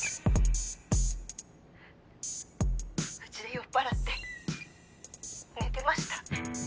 うちで酔っ払って寝てました。